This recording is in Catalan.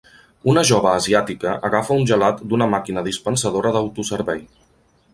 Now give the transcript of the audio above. Una jove asiàtica agafa un gelat d'una màquina dispensadora d'autoservei.